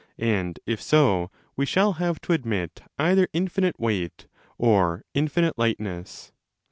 And if so, we shall have to admit either infinite weight or infinite 25 lightness.